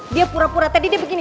dia pura pura tadi dia begini